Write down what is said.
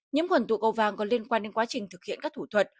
nhiễm khuẩn tụ cầu vàng có liên quan đến quá trình thực hiện các thủ thuật